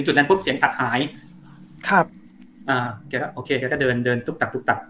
จุดนั้นปุ๊บเสียงสักหายครับอ่าแกก็โอเคแกก็เดินเดินตุ๊บตับตุ๊บตับ